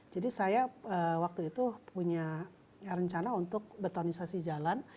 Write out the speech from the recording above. jadi saya waktu itu punya rencana untuk betonisasi jalan